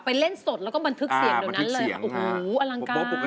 ไปเล่นสดแล้วก็บันทึกเสียงโดยนั้นเลยอลังการ